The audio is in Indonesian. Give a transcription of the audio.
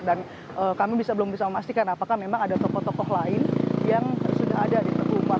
dan kami belum bisa memastikan apakah memang ada tokoh tokoh lain yang sudah ada di teguh umar